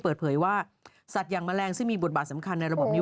เปิดเผยว่าสัตว์อย่างแมลงซึ่งมีบทบาทสำคัญในระบบนิ้